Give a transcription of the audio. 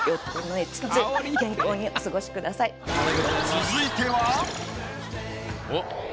続いては。